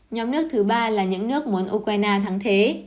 nhóm nước thứ ba là những nước muốn ukraine thắng thế